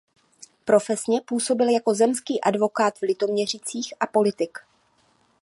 Profesně působil jako zemský advokát v Litoměřicích a politik.